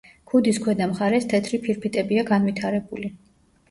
ქუდის ქვედა მხარეს თეთრი ფირფიტებია განვითარებული.